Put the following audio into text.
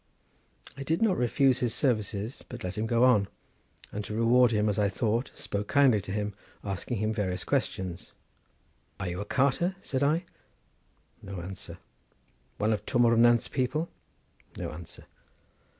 I did not refuse his services, but let him go on, and to reward him, as I thought, spoke kindly to him, asking him various questions. "Are you a carter?" said I. No answer. "One of Twm O'r Nant's people?" No answer.